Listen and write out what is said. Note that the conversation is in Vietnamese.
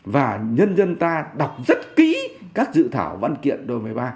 và nhân dân ta đọc rất kỹ các dự thảo văn kiện đôi một mươi ba